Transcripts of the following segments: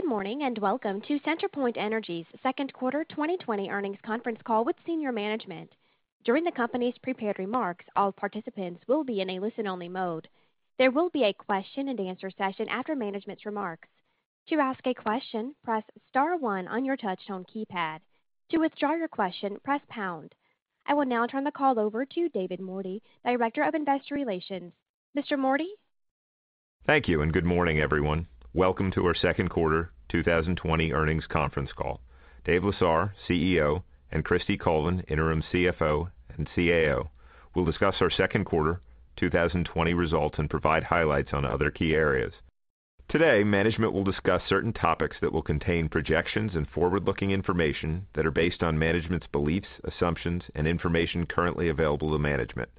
Good morning, and welcome to CenterPoint Energy's Second Quarter 2020 Earnings Conference Call with Senior Management. During the company's prepared remarks, all participants will be in a listen-only mode. There will be a question-and-answer session after management's remarks. To ask a question, press *1 on your touch-tone keypad. To withdraw your question, press pound. I will now turn the call over to David Mordy, Director of Investor Relations. Mr. Mordy? Thank you. Good morning, everyone. Welcome to our second quarter 2020 earnings conference call. Dave Lesar, CEO, and Kristie Colvin, interim CFO and CAO, will discuss our second quarter 2020 results and provide highlights on other key areas. Today, management will discuss certain topics that will contain projections and forward-looking information that are based on management's beliefs, assumptions, and information currently available to management.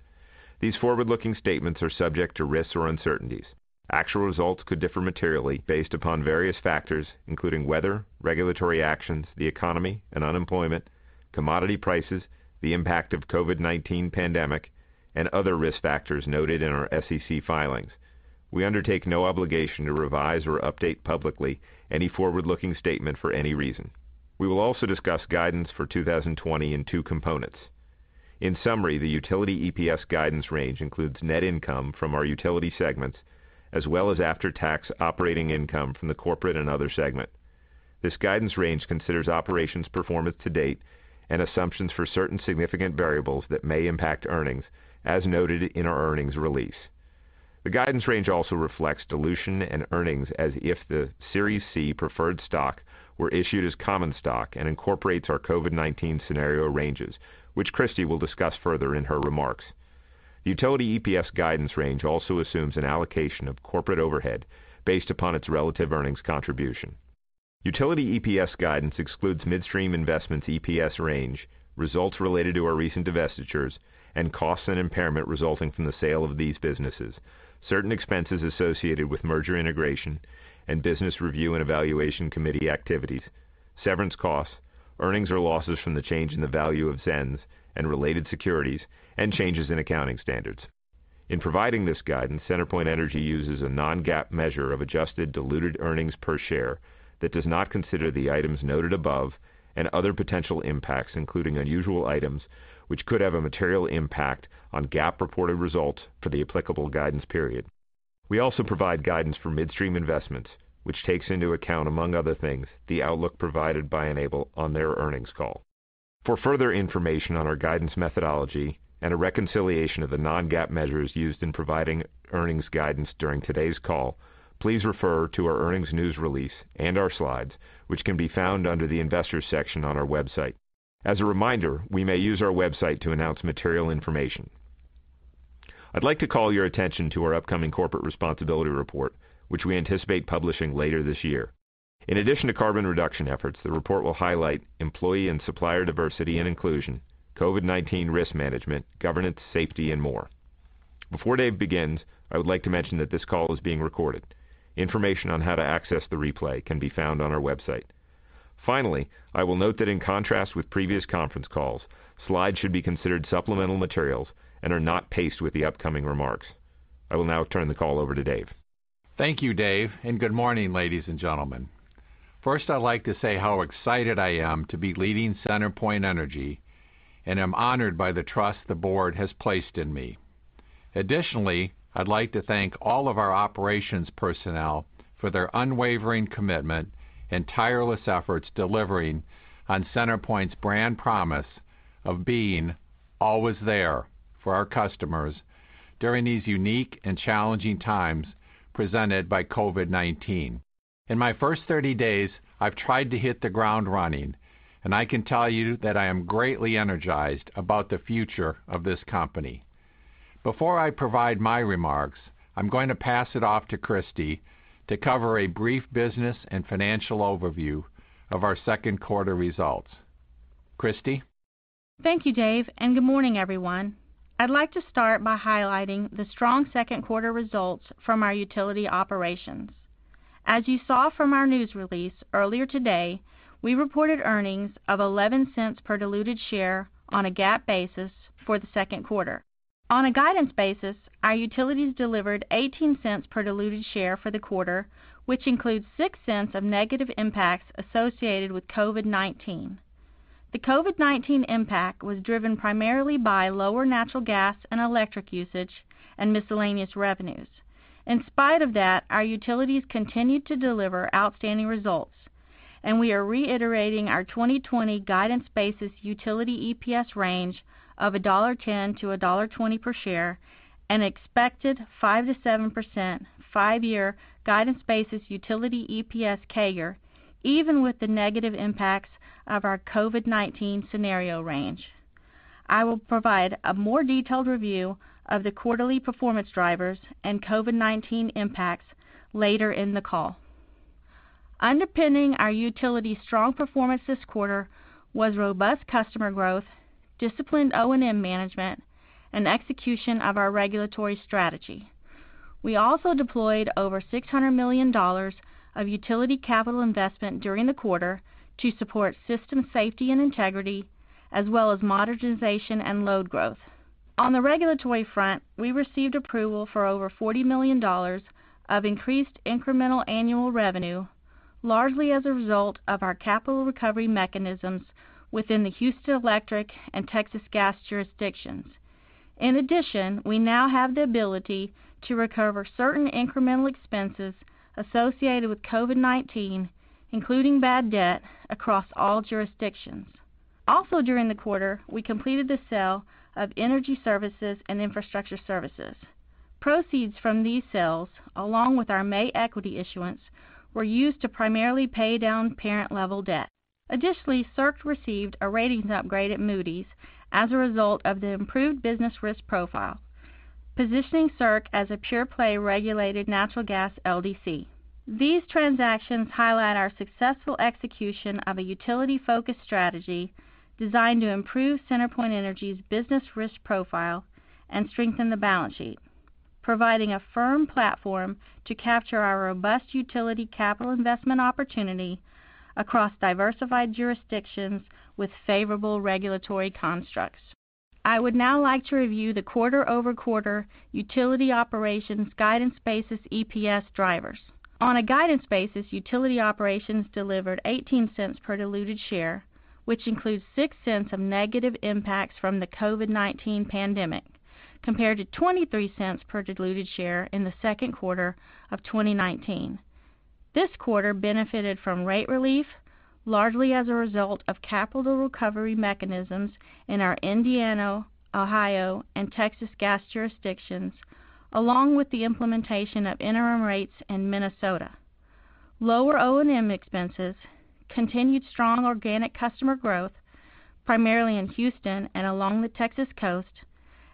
These forward-looking statements are subject to risks or uncertainties. Actual results could differ materially based upon various factors, including weather, regulatory actions, the economy and unemployment, commodity prices, the impact of COVID-19 pandemic, and other risk factors noted in our SEC filings. We undertake no obligation to revise or update publicly any forward-looking statement for any reason. We will also discuss guidance for 2020 in two components. In summary, the utility EPS guidance range includes net income from our utility segments, as well as after-tax operating income from the corporate and other segment. This guidance range considers operations performance to date and assumptions for certain significant variables that may impact earnings, as noted in our earnings release. The guidance range also reflects dilution and earnings as if the Series C preferred stock were issued as common stock and incorporates our COVID-19 scenario ranges, which Kristie will discuss further in her remarks. The utility EPS guidance range also assumes an allocation of corporate overhead based upon its relative earnings contribution. Utility EPS guidance excludes midstream investments EPS range, results related to our recent divestitures, and costs and impairment resulting from the sale of these businesses, certain expenses associated with merger integration and Business Review and Evaluation Committee activities, severance costs, earnings or losses from the change in the value of ZENS and related securities, and changes in accounting standards. In providing this guidance, CenterPoint Energy uses a non-GAAP measure of adjusted diluted earnings per share that does not consider the items noted above and other potential impacts, including unusual items, which could have a material impact on GAAP-reported results for the applicable guidance period. We also provide guidance for midstream investments, which takes into account, among other things, the outlook provided by Enable on their earnings call. For further information on our guidance methodology and a reconciliation of the non-GAAP measures used in providing earnings guidance during today's call, please refer to our earnings news release and our slides, which can be found under the Investors section on our website. As a reminder, we may use our website to announce material information. I'd like to call your attention to our upcoming Corporate Responsibility Report, which we anticipate publishing later this year. In addition to carbon reduction efforts, the report will highlight employee and supplier diversity and inclusion, COVID-19 risk management, governance, safety, and more. Before Dave begins, I would like to mention that this call is being recorded. Information on how to access the replay can be found on our website. Finally, I will note that in contrast with previous conference calls, slides should be considered supplemental materials and are not paced with the upcoming remarks. I will now turn the call over to Dave. Thank you, Dave, and good morning, ladies and gentlemen. First, I'd like to say how excited I am to be leading CenterPoint Energy, and I'm honored by the trust the board has placed in me. Additionally, I'd like to thank all of our operations personnel for their unwavering commitment and tireless efforts delivering on CenterPoint's brand promise of being always there for our customers during these unique and challenging times presented by COVID-19. In my first 30 days, I've tried to hit the ground running, and I can tell you that I am greatly energized about the future of this company. Before I provide my remarks, I'm going to pass it off to Kristie to cover a brief business and financial overview of our second quarter results. Kristie? Thank you, Dave, and good morning, everyone. I'd like to start by highlighting the strong second quarter results from our utility operations. As you saw from our news release earlier today, we reported earnings of $0.11 per diluted share on a GAAP basis for the second quarter. On a guidance basis, our utilities delivered $0.18 per diluted share for the quarter, which includes $0.06 of negative impacts associated with COVID-19. The COVID-19 impact was driven primarily by lower natural gas and electric usage and miscellaneous revenues. In spite of that, our utilities continued to deliver outstanding results, and we are reiterating our 2020 guidance-basis utility EPS range of $1.10 to $1.20 per share and expected 5%-7% five-year guidance-basis utility EPS CAGR, even with the negative impacts of our COVID-19 scenario range. I will provide a more detailed review of the quarterly performance drivers and COVID-19 impacts later in the call. Underpinning our utility's strong performance this quarter was robust customer growth, disciplined O&M management, and execution of our regulatory strategy. We also deployed over $600 million of utility capital investment during the quarter to support system safety and integrity, as well as modernization and load growth. On the regulatory front, we received approval for over $40 million of increased incremental annual revenue, largely as a result of our capital recovery mechanisms within the Houston Electric and Texas Gas jurisdictions. In addition, we now have the ability to recover certain incremental expenses associated with COVID-19, including bad debt across all jurisdictions. Also during the quarter, we completed the sale of Energy Services and Infrastructure Services. Proceeds from these sales, along with our May equity issuance, were used to primarily pay down parent level debt. Additionally, CERC received a ratings upgrade at Moody's as a result of the improved business risk profile, positioning CERC as a pure-play regulated natural gas LDC. These transactions highlight our successful execution of a utility-focused strategy designed to improve CenterPoint Energy's business risk profile and strengthen the balance sheet, providing a firm platform to capture our robust utility capital investment opportunity across diversified jurisdictions with favorable regulatory constructs. I would now like to review the quarter-over-quarter utility operations guidance basis EPS drivers. On a guidance basis, utility operations delivered $0.18 per diluted share, which includes $0.06 of negative impacts from the COVID-19 pandemic, compared to $0.23 per diluted share in the second quarter of 2019. This quarter benefited from rate relief, largely as a result of capital recovery mechanisms in our Indiana, Ohio, and Texas gas jurisdictions, along with the implementation of interim rates in Minnesota. Lower O&M expenses, continued strong organic customer growth, primarily in Houston and along the Texas coast,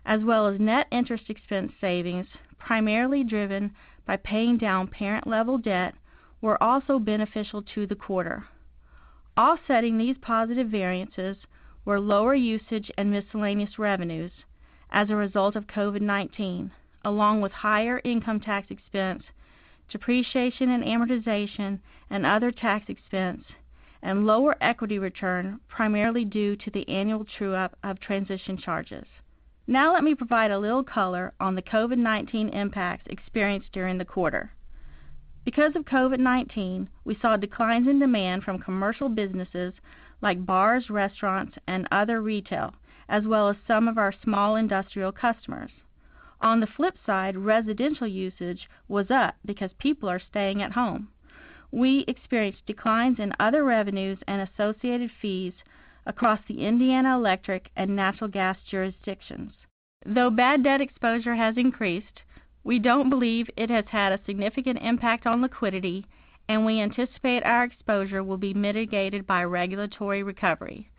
as well as net interest expense savings, primarily driven by paying down parent-level debt, were also beneficial to the quarter. Offsetting these positive variances were lower usage and miscellaneous revenues as a result of COVID-19, along with higher income tax expense, depreciation and amortization and other tax expense, and lower equity return, primarily due to the annual true-up of transition charges. Now let me provide a little color on the COVID-19 impacts experienced during the quarter. Because of COVID-19, we saw declines in demand from commercial businesses like bars, restaurants, and other retail, as well as some of our small industrial customers. On the flip side, residential usage was up because people are staying at home. We experienced declines in other revenues and associated fees across the Indiana Electric and Natural Gas jurisdictions. Though bad debt exposure has increased, we don't believe it has had a significant impact on liquidity, and we anticipate our exposure will be mitigated by regulatory recovery.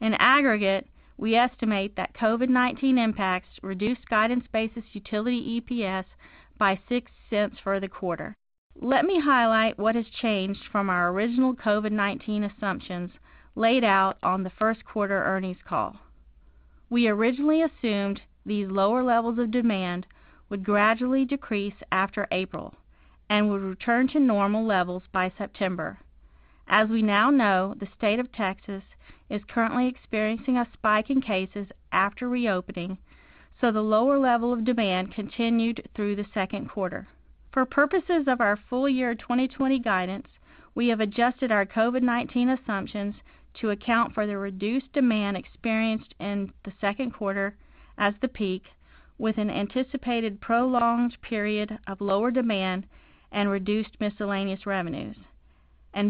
In aggregate, we estimate that COVID-19 impacts reduced guidance basis utility EPS by $0.06 for the quarter. Let me highlight what has changed from our original COVID-19 assumptions laid out on the first quarter earnings call. We originally assumed these lower levels of demand would gradually decrease after April and would return to normal levels by September. As we now know, the state of Texas is currently experiencing a spike in cases after reopening, so the lower level of demand continued through the second quarter. For purposes of our full year 2020 guidance, we have adjusted our COVID-19 assumptions to account for the reduced demand experienced in the second quarter as the peak, with an anticipated prolonged period of lower demand and reduced miscellaneous revenues.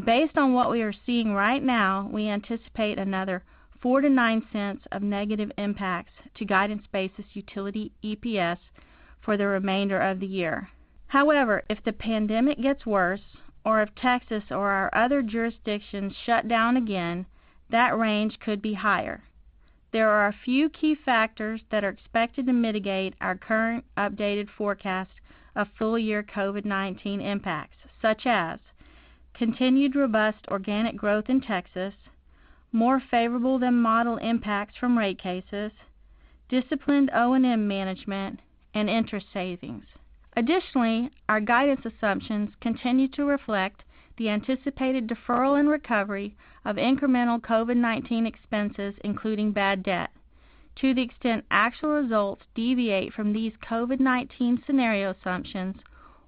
Based on what we are seeing right now, we anticipate another $0.04-$0.09 of negative impacts to guidance basis utility EPS for the remainder of the year. However, if the pandemic gets worse or if Texas or our other jurisdictions shut down again, that range could be higher. There are a few key factors that are expected to mitigate our current updated forecast of full-year COVID-19 impacts, such as continued robust organic growth in Texas, more favorable than model impacts from rate cases, disciplined O&M management, and interest savings. Additionally, our guidance assumptions continue to reflect the anticipated deferral and recovery of incremental COVID-19 expenses, including bad debt. To the extent actual results deviate from these COVID-19 scenario assumptions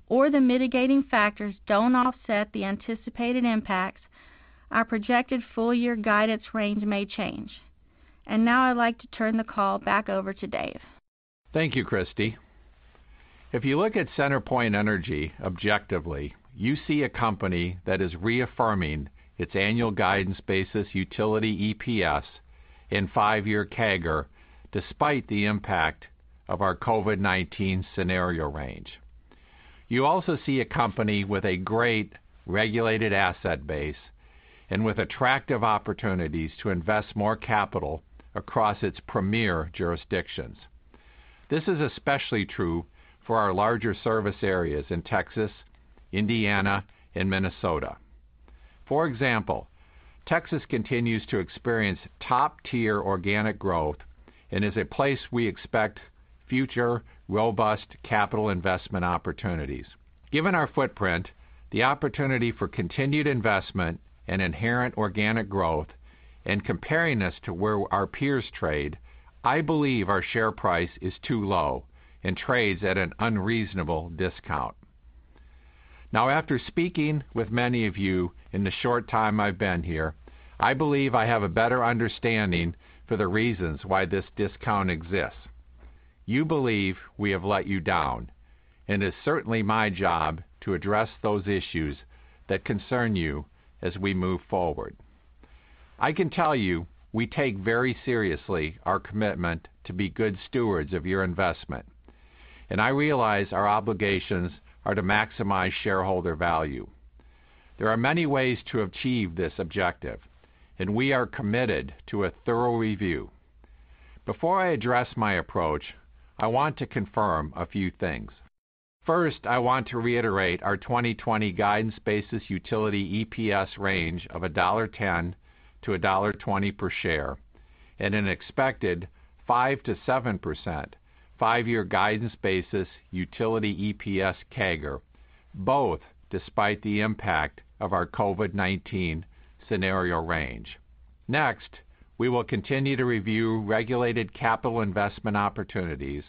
or the mitigating factors don't offset the anticipated impacts, our projected full-year guidance range may change. Now I'd like to turn the call back over to Dave. Thank you, Kristie. If you look at CenterPoint Energy objectively, you see a company that is reaffirming its annual guidance basis utility EPS and five-year CAGR despite the impact of our COVID-19 scenario range. You also see a company with a great regulated asset base and with attractive opportunities to invest more capital across its premier jurisdictions. This is especially true for our larger service areas in Texas, Indiana, and Minnesota. For example, Texas continues to experience top-tier organic growth and is a place we expect future robust capital investment opportunities. Given our footprint, the opportunity for continued investment and inherent organic growth, and comparing us to where our peers trade, I believe our share price is too low and trades at an unreasonable discount. Now, after speaking with many of you in the short time I've been here, I believe I have a better understanding for the reasons why this discount exists. You believe we have let you down. It's certainly my job to address those issues that concern you as we move forward. I can tell you, we take very seriously our commitment to be good stewards of your investment. I realize our obligations are to maximize shareholder value. There are many ways to achieve this objective. We are committed to a thorough review. Before I address my approach, I want to confirm a few things. First, I want to reiterate our 2020 guidance basis utility EPS range of $1.10 to $1.20 per share at an expected 5%-7% five-year guidance basis utility EPS CAGR, both despite the impact of our COVID-19 scenario range. We will continue to review regulated capital investment opportunities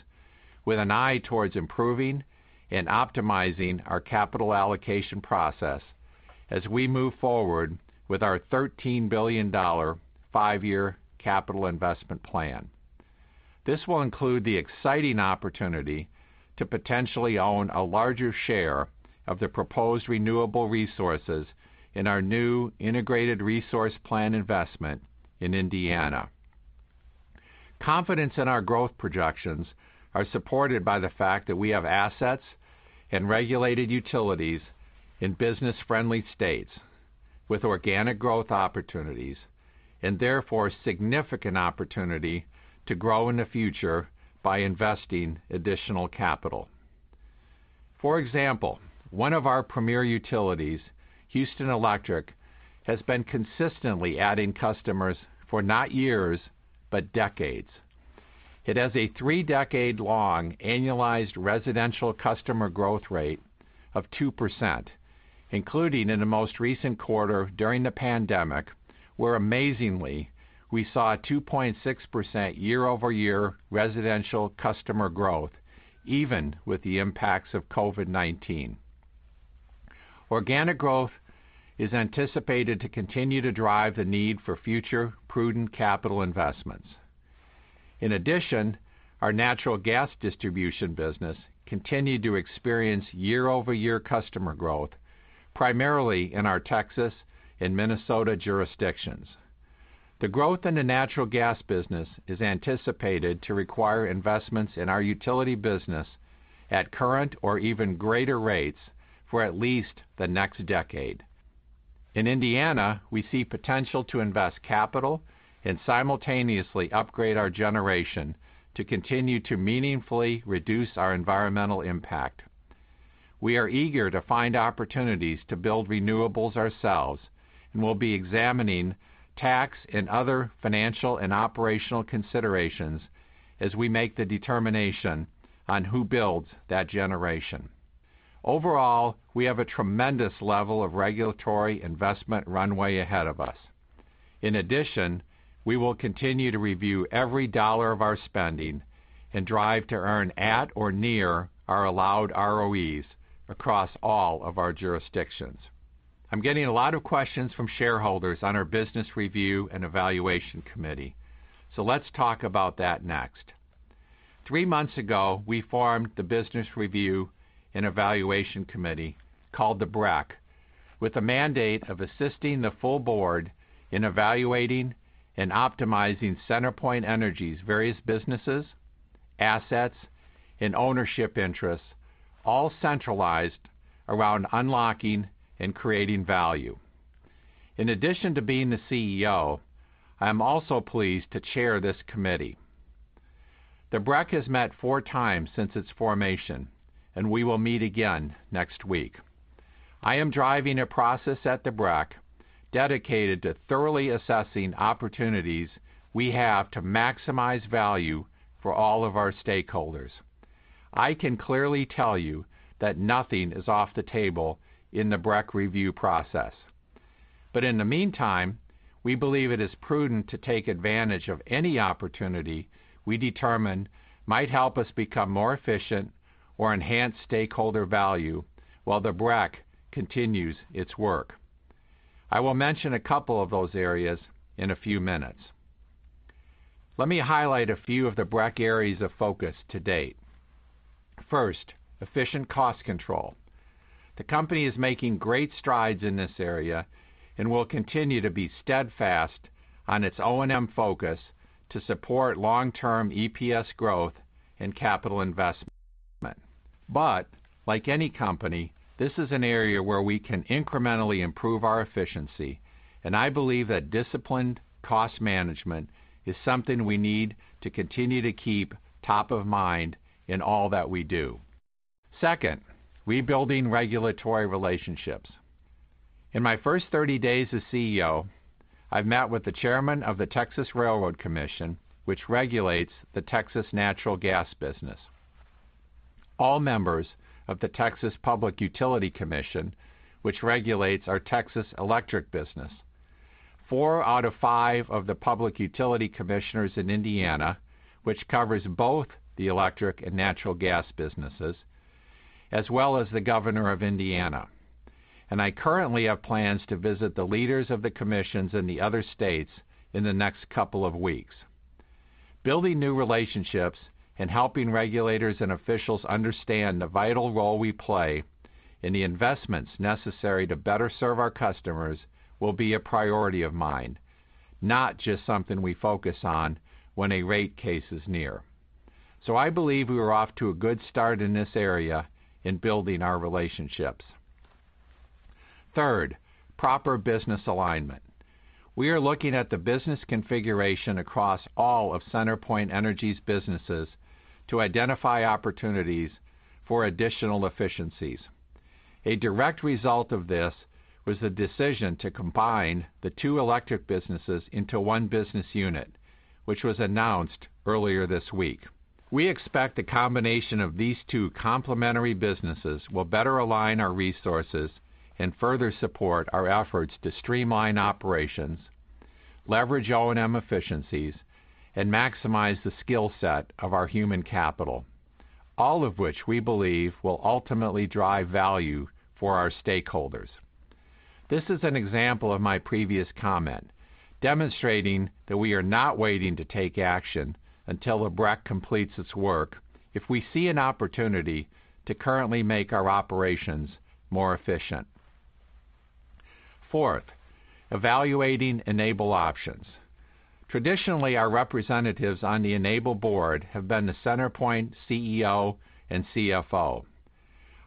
with an eye towards improving and optimizing our capital allocation process as we move forward with our $13 billion five-year capital investment plan. This will include the exciting opportunity to potentially own a larger share of the proposed renewable resources in our new integrated resource plan investment in Indiana. Confidence in our growth projections are supported by the fact that we have assets and regulated utilities in business-friendly states with organic growth opportunities, therefore, significant opportunity to grow in the future by investing additional capital. For example, one of our premier utilities, Houston Electric, has been consistently adding customers for not years, but decades. It has a three-decade-long annualized residential customer growth rate of 2%, including in the most recent quarter during the pandemic, where amazingly, we saw a 2.6% year-over-year residential customer growth even with the impacts of COVID-19. Organic growth is anticipated to continue to drive the need for future prudent capital investments. In addition, our natural gas distribution business continued to experience year-over-year customer growth, primarily in our Texas and Minnesota jurisdictions. The growth in the natural gas business is anticipated to require investments in our utility business at current or even greater rates for at least the next decade. In Indiana, we see potential to invest capital and simultaneously upgrade our generation to continue to meaningfully reduce our environmental impact. We are eager to find opportunities to build renewables ourselves, and we'll be examining tax and other financial and operational considerations as we make the determination on who builds that generation. Overall, we have a tremendous level of regulatory investment runway ahead of us. In addition, we will continue to review every dollar of our spending and drive to earn at or near our allowed ROEs across all of our jurisdictions. I'm getting a lot of questions from shareholders on our Business Review and Evaluation Committee. Let's talk about that next. Three months ago, we formed the Business Review and Evaluation Committee, called the BREC, with a mandate of assisting the full board in evaluating and optimizing CenterPoint Energy's various businesses, assets, and ownership interests, all centralized around unlocking and creating value. In addition to being the CEO, I am also pleased to chair this committee. The BREC has met 4x since its formation, and we will meet again next week. I am driving a process at the BREC dedicated to thoroughly assessing opportunities we have to maximize value for all of our stakeholders. I can clearly tell you that nothing is off the table in the BREC review process. In the meantime, we believe it is prudent to take advantage of any opportunity we determine might help us become more efficient or enhance stakeholder value while the BREC continues its work. I will mention a couple of those areas in a few minutes. Let me highlight a few of the BREC areas of focus to date. First, efficient cost control. The company is making great strides in this area and will continue to be steadfast on its O&M focus to support long-term EPS growth and capital investment. Like any company, this is an area where we can incrementally improve our efficiency, and I believe that disciplined cost management is something we need to continue to keep top of mind in all that we do. Second, rebuilding regulatory relationships. In my first 30 days as CEO, I've met with the Chairman of the Texas Railroad Commission, which regulates the Texas natural gas business. All members of the Texas Public Utility Commission, which regulates our Texas electric business. Four out of five of the public utility commissioners in Indiana, which covers both the electric and natural gas businesses, as well as the governor of Indiana. I currently have plans to visit the leaders of the commissions in the other states in the next couple of weeks. Building new relationships and helping regulators and officials understand the vital role we play and the investments necessary to better serve our customers will be a priority of mine, not just something we focus on when a rate case is near. I believe we are off to a good start in this area in building our relationships. Third, proper business alignment. We are looking at the business configuration across all of CenterPoint Energy's businesses to identify opportunities for additional efficiencies. A direct result of this was the decision to combine the two electric businesses into one business unit, which was announced earlier this week. We expect the combination of these two complementary businesses will better align our resources and further support our efforts to streamline operations, leverage O&M efficiencies, and maximize the skill set of our human capital, all of which we believe will ultimately drive value for our stakeholders. This is an example of my previous comment, demonstrating that we are not waiting to take action until the BREC completes its work if we see an opportunity to currently make our operations more efficient. Fourth, evaluating Enable options. Traditionally, our representatives on the Enable board have been the CenterPoint CEO and CFO.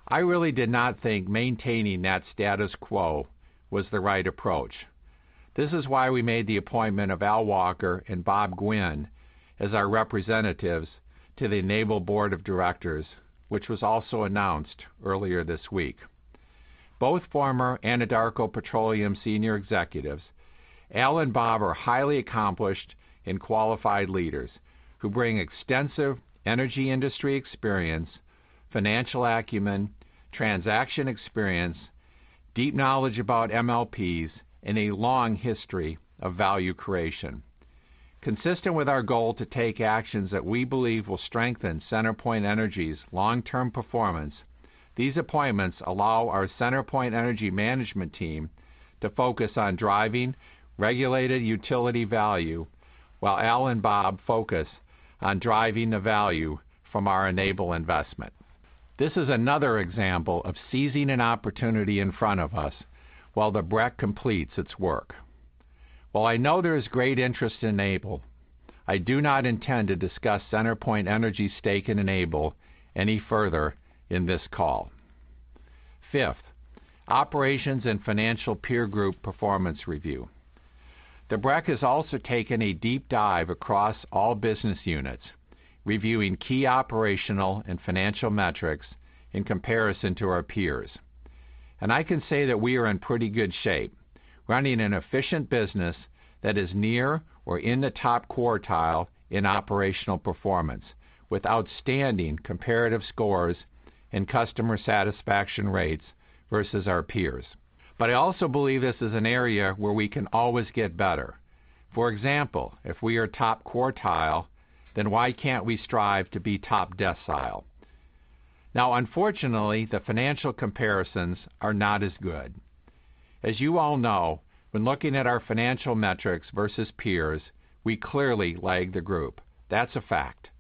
I really did not think maintaining that status quo was the right approach. This is why we made the appointment of Al Walker and Bob Gwin as our representatives to the Enable Board of Directors, which was also announced earlier this week. Both former Anadarko Petroleum senior executives, Al and Bob are highly accomplished and qualified leaders who bring extensive energy industry experience, financial acumen, transaction experience, deep knowledge about MLPs, and a long history of value creation. Consistent with our goal to take actions that we believe will strengthen CenterPoint Energy's long-term performance, these appointments allow our CenterPoint Energy management team to focus on driving regulated utility value while Al and Bob focus on driving the value from our Enable investment. This is another example of seizing an opportunity in front of us while the BREC completes its work. While I know there is great interest in Enable, I do not intend to discuss CenterPoint Energy's stake in Enable any further in this call. Fifth, operations and financial peer group performance review. The BREC has also taken a deep dive across all business units, reviewing key operational and financial metrics in comparison to our peers. I can say that we are in pretty good shape, running an efficient business that is near or in the top quartile in operational performance, with outstanding comparative scores and customer satisfaction rates versus our peers. I also believe this is an area where we can always get better. For example, if we are top quartile, why can't we strive to be top decile? Unfortunately, the financial comparisons are not as good. As you all know, when looking at our financial metrics versus peers, we clearly lag the group. That's a fact.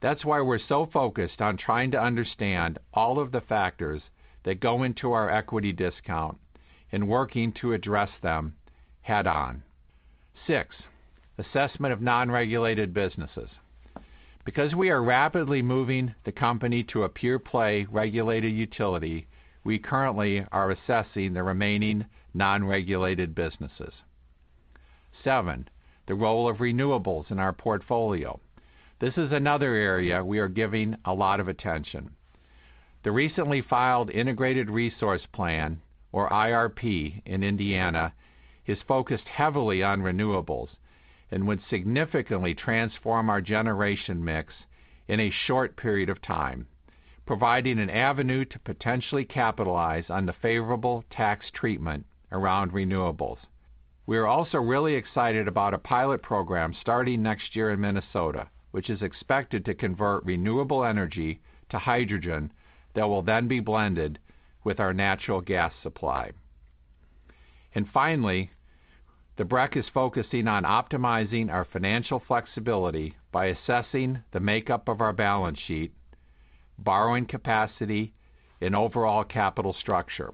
That's why we're so focused on trying to understand all of the factors that go into our equity discount and working to address them head-on. Six, assessment of non-regulated businesses. Because we are rapidly moving the company to a pure-play regulated utility, we currently are assessing the remaining non-regulated businesses. Seven, the role of renewables in our portfolio. This is another area we are giving a lot of attention. The recently filed integrated resource plan, or IRP, in Indiana is focused heavily on renewables and would significantly transform our generation mix in a short period of time, providing an avenue to potentially capitalize on the favorable tax treatment around renewables. We are also really excited about a pilot program starting next year in Minnesota, which is expected to convert renewable energy to hydrogen that will then be blended with our natural gas supply. Finally, the BREC is focusing on optimizing our financial flexibility by assessing the makeup of our balance sheet, borrowing capacity, and overall capital structure.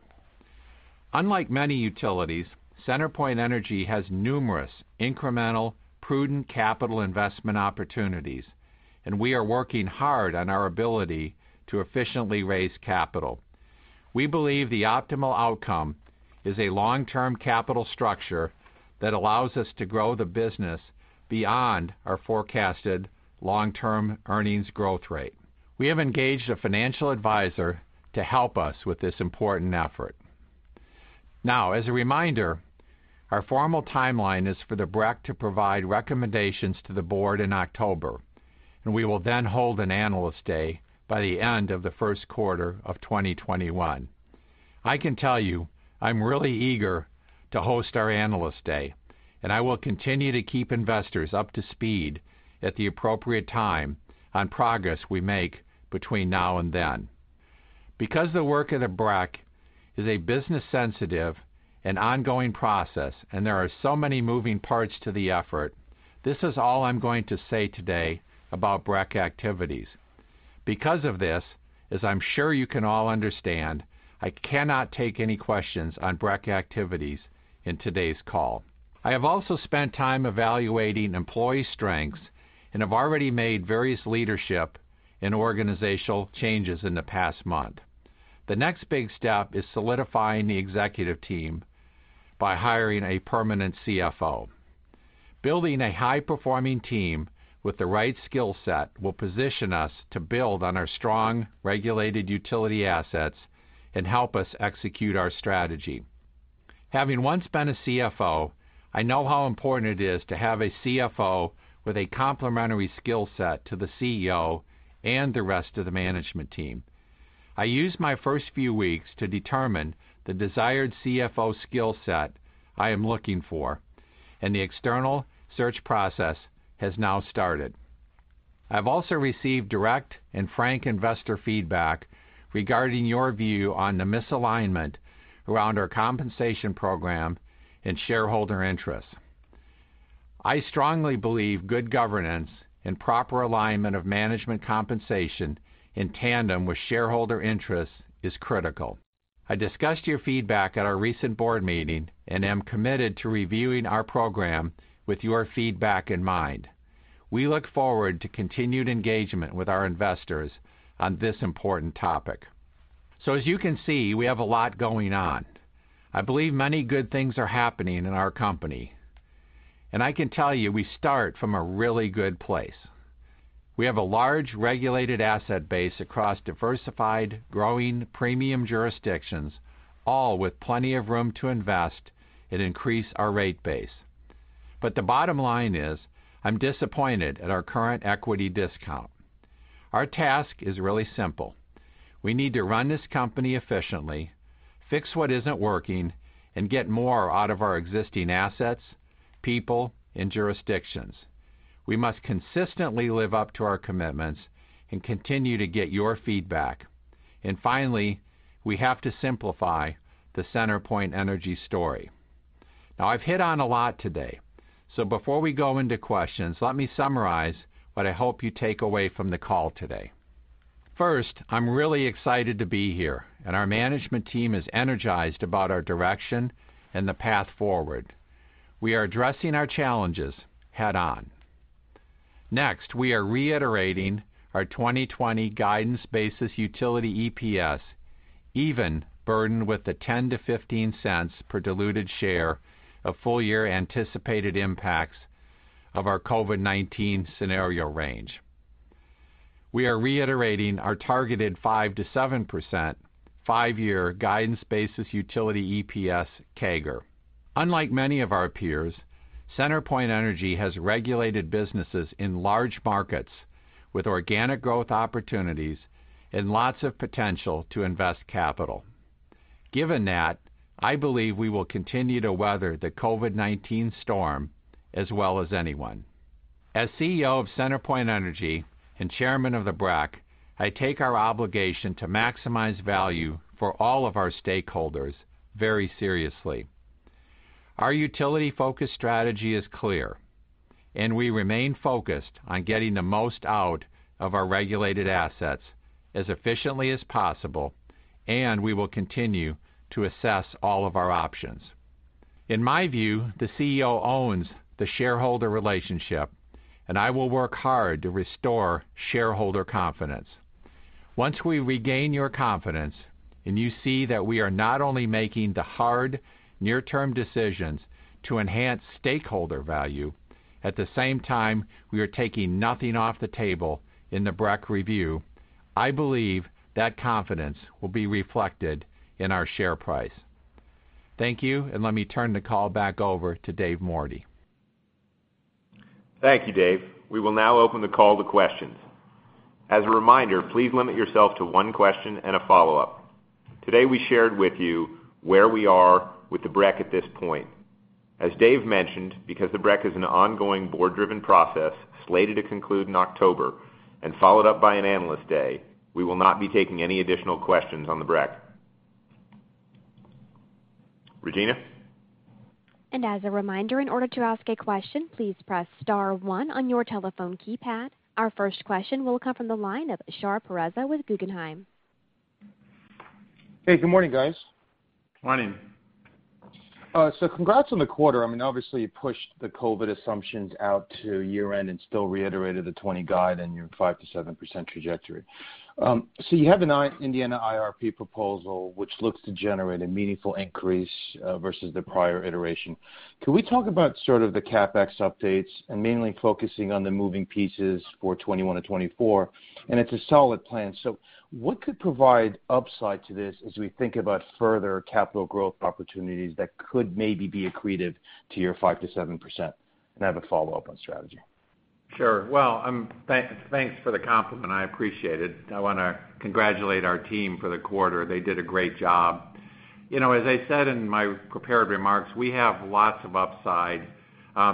Unlike many utilities, CenterPoint Energy has numerous incremental, prudent capital investment opportunities. We are working hard on our ability to efficiently raise capital. We believe the optimal outcome is a long-term capital structure that allows us to grow the business beyond our forecasted long-term earnings growth rate. We have engaged a financial advisor to help us with this important effort. As a reminder, our formal timeline is for the BREC to provide recommendations to the board in October. We will then hold an Analyst Day by the end of the first quarter of 2021. I can tell you, I'm really eager to host our Analyst Day. I will continue to keep investors up to speed at the appropriate time on progress we make between now and then. The work of the BREC is a business sensitive and ongoing process, and there are so many moving parts to the effort, this is all I'm going to say today about BREC activities. As I'm sure you can all understand, I cannot take any questions on BREC activities in today's call. I have also spent time evaluating employee strengths and have already made various leadership and organizational changes in the past month. The next big step is solidifying the executive team by hiring a permanent CFO. Building a high-performing team with the right skill set will position us to build on our strong regulated utility assets and help us execute our strategy. Having once been a CFO, I know how important it is to have a CFO with a complementary skill set to the CEO and the rest of the management team. I used my first few weeks to determine the desired CFO skill set I am looking for, and the external search process has now started. I've also received direct and frank investor feedback regarding your view on the misalignment around our compensation program and shareholder interests. I strongly believe good governance and proper alignment of management compensation in tandem with shareholder interests is critical. I discussed your feedback at our recent board meeting and am committed to reviewing our program with your feedback in mind. We look forward to continued engagement with our investors on this important topic. As you can see, we have a lot going on. I believe many good things are happening in our company, and I can tell you we start from a really good place. We have a large regulated asset base across diversified, growing premium jurisdictions, all with plenty of room to invest and increase our rate base. The bottom line is, I'm disappointed at our current equity discount. Our task is really simple. We need to run this company efficiently, fix what isn't working, and get more out of our existing assets, people, and jurisdictions. We must consistently live up to our commitments and continue to get your feedback. Finally, we have to simplify the CenterPoint Energy story. Now, I've hit on a lot today. Before we go into questions, let me summarize what I hope you take away from the call today. First, I'm really excited to be here, and our management team is energized about our direction and the path forward. We are addressing our challenges head on. We are reiterating our 2020 guidance basis Utility EPS, even burdened with the $0.10-$0.15 per diluted share of full-year anticipated impacts of our COVID-19 scenario range. We are reiterating our targeted 5%-7% five-year guidance basis Utility EPS CAGR. Unlike many of our peers, CenterPoint Energy has regulated businesses in large markets with organic growth opportunities and lots of potential to invest capital. Given that, I believe we will continue to weather the COVID-19 storm as well as anyone. As CEO of CenterPoint Energy and Chairman of the BREC, I take our obligation to maximize value for all of our stakeholders very seriously. Our utility-focused strategy is clear, and we remain focused on getting the most out of our regulated assets as efficiently as possible, and we will continue to assess all of our options. In my view, the CEO owns the shareholder relationship, and I will work hard to restore shareholder confidence. Once we regain your confidence and you see that we are not only making the hard near-term decisions to enhance stakeholder value, at the same time, we are taking nothing off the table in the BREC review, I believe that confidence will be reflected in our share price. Thank you, and let me turn the call back over to Dave Mordy. Thank you, Dave. We will now open the call to questions. As a reminder, please limit yourself to one question and a follow-up. Today, we shared with you where we are with the BREC at this point. As Dave mentioned, because the BREC is an ongoing board-driven process slated to conclude in October and followed up by an Analyst Day, we will not be taking any additional questions on the BREC. Regina? As a reminder, in order to ask a question, please press star one on your telephone keypad. Our first question will come from the line of Shar Pourreza with Guggenheim. Hey, good morning, guys. Morning. Congrats on the quarter. I mean, obviously, you pushed the COVID assumptions out to year-end and still reiterated the 2020 guide and your 5%-7% trajectory. You have an Indiana IRP proposal which looks to generate a meaningful increase versus the prior iteration. Can we talk about sort of the CapEx updates and mainly focusing on the moving pieces for 2021-2024? It's a solid plan, what could provide upside to this as we think about further capital growth opportunities that could maybe be accretive to your 5%-7%? I have a follow-up on strategy. Sure. Well, thanks for the compliment, I appreciate it. I want to congratulate our team for the quarter. They did a great job. As I said in my prepared remarks, we have lots of upside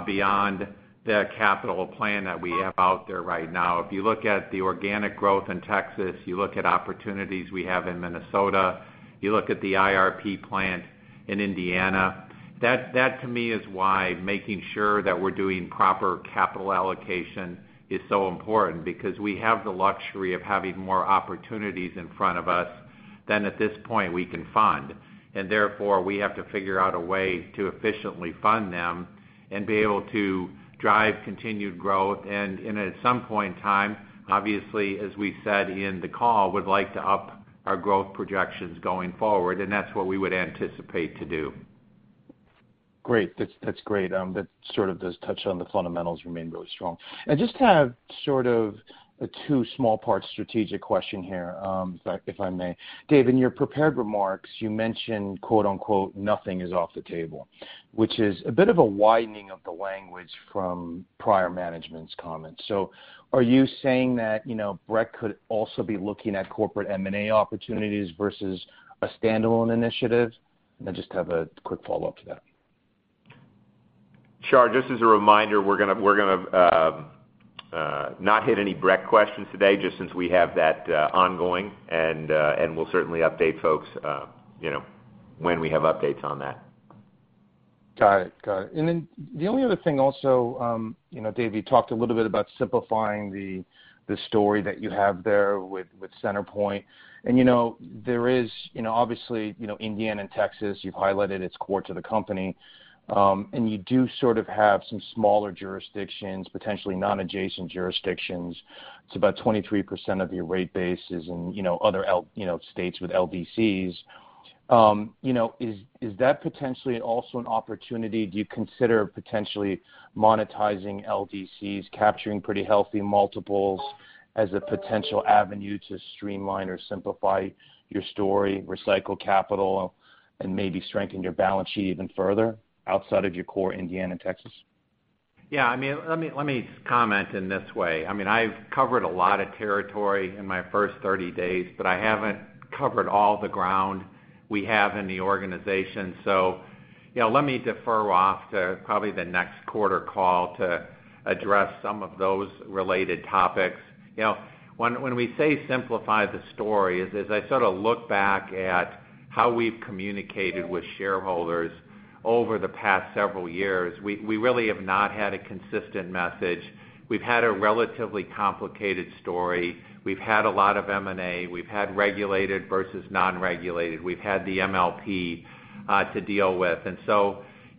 beyond the capital plan that we have out there right now. If you look at the organic growth in Texas, you look at opportunities we have in Minnesota, you look at the IRP plan in Indiana, that to me is why making sure that we're doing proper capital allocation is so important because we have the luxury of having more opportunities in front of us than at this point we can fund. Therefore, we have to figure out a way to efficiently fund them and be able to drive continued growth. At some point in time, obviously, as we said in the call, would like to up our growth projections going forward, and that's what we would anticipate to do. Great. That's great. That sort of does touch on the fundamentals remain really strong. I just have sort of a two small part strategic question here, if I may. Dave, in your prepared remarks, you mentioned, "nothing is off the table," which is a bit of a widening of the language from prior management's comments. Are you saying that BREC could also be looking at corporate M&A opportunities versus a standalone initiative? I just have a quick follow-up to that. Shar, just as a reminder, we're going to not hit any BREC questions today just since we have that ongoing and we'll certainly update folks when we have updates on that. Got it. The only other thing also, Dave, you talked a little bit about simplifying the story that you have there with CenterPoint. There is, obviously, Indiana and Texas, you've highlighted its core to the company. You do sort of have some smaller jurisdictions, potentially non-adjacent jurisdictions. It's about 23% of your rate bases and other states with LDCs. Is that potentially also an opportunity? Do you consider potentially monetizing LDCs, capturing pretty healthy multiples as a potential avenue to streamline or simplify your story, recycle capital, and maybe strengthen your balance sheet even further outside of your core Indiana and Texas? Yeah, let me comment in this way. I've covered a lot of territory in my first 30 days, but I haven't covered all the ground we have in the organization. Let me defer off to probably the next quarter call to address some of those related topics. When we say simplify the story, as I sort of look back at how we've communicated with shareholders over the past several years, we really have not had a consistent message. We've had a relatively complicated story. We've had a lot of M&A. We've had regulated versus non-regulated. We've had the MLP to deal with.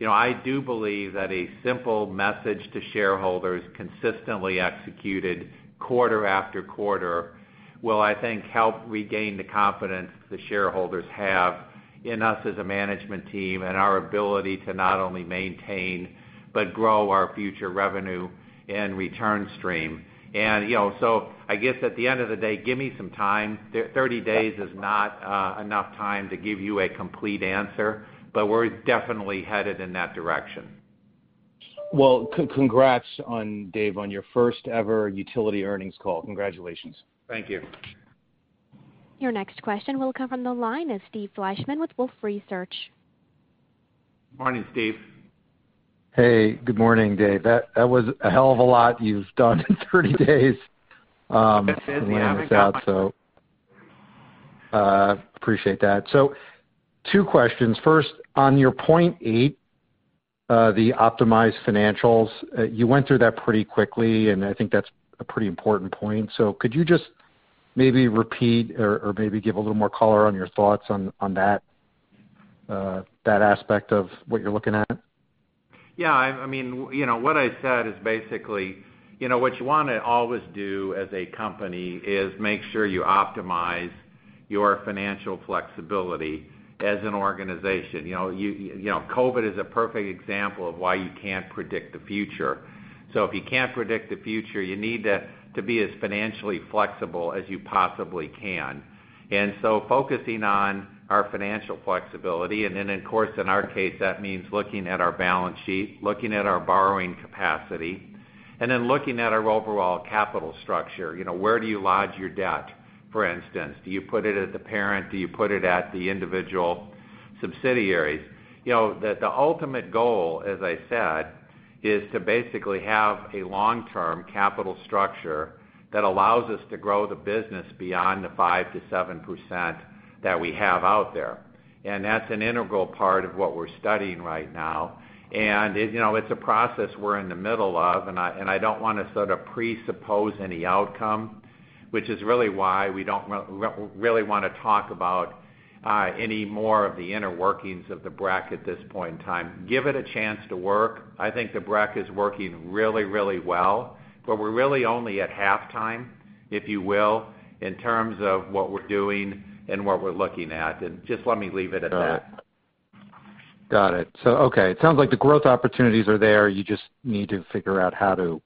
I do believe that a simple message to shareholders consistently executed quarter after quarter will, I think, help regain the confidence the shareholders have in us as a management team and our ability to not only maintain but grow our future revenue and return stream. I guess at the end of the day, give me some time. 30 days is not enough time to give you a complete answer, but we're definitely headed in that direction. Well, congrats, Dave, on your first ever utility earnings call. Congratulations. Thank you. Your next question will come from the line of Steve Fleishman with Wolfe Research. Morning, Steve. Hey, good morning, Dave. That was a hell of a lot you've done in 30 days. It is. Yeah. Appreciate that. Two questions. First, on your point eight, the optimized financials, you went through that pretty quickly, and I think that's a pretty important point. Could you just maybe repeat or maybe give a little more color on your thoughts on that aspect of what you're looking at? Yeah. What I said is basically, what you want to always do as a company is make sure you optimize your financial flexibility as an organization. COVID is a perfect example of why you can't predict the future. If you can't predict the future, you need to be as financially flexible as you possibly can. Focusing on our financial flexibility, and then, of course, in our case, that means looking at our balance sheet, looking at our borrowing capacity, and then looking at our overall capital structure. Where do you lodge your debt, for instance? Do you put it at the parent? Do you put it at the individual subsidiaries? The ultimate goal, as I said, is to basically have a long-term capital structure that allows us to grow the business beyond the 5%-7% that we have out there. That's an integral part of what we're studying right now. It's a process we're in the middle of, and I don't want to sort of presuppose any outcome, which is really why we don't really want to talk about any more of the inner workings of the BREC at this point in time. Give it a chance to work. I think the BREC is working really, really well, but we're really only at halftime, if you will, in terms of what we're doing and what we're looking at. Just let me leave it at that. Got it. It sounds like the growth opportunities are there. You just need to figure out how to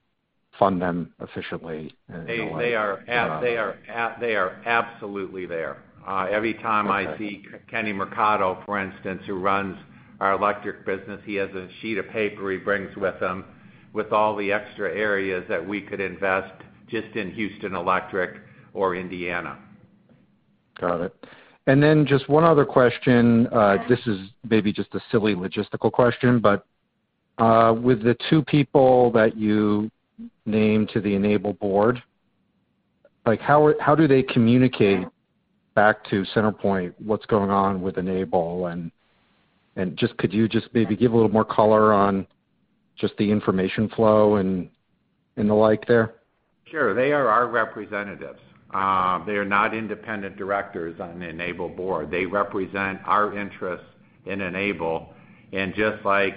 fund them efficiently in a way. They are absolutely there. Every time I see Kenny Mercado, for instance, who runs our electric business, he has a sheet of paper he brings with him with all the extra areas that we could invest just in Houston Electric or Indiana. Got it. Just one other question. This is maybe just a silly logistical question, but with the two people that you named to the Enable board, how do they communicate back to CenterPoint what's going on with Enable? Could you just maybe give a little more color on just the information flow and the like there? Sure. They are our representatives. They are not independent directors on the Enable board. They represent our interests in Enable. Just like